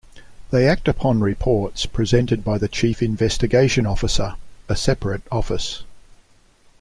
They act upon reports presented by the Chief Investigation Officer, a separate office.